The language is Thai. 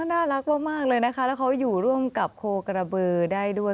น่ารักมากเลยนะคะแล้วเขาอยู่ร่วมกับโคกระบือได้ด้วย